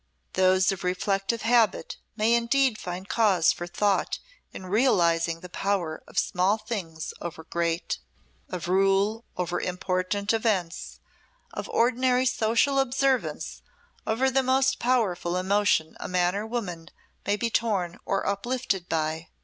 Those of reflective habit may indeed find cause for thought in realising the power of small things over great, of rule over important events, of ordinary social observance over the most powerful emotion a man or woman may be torn or uplifted by.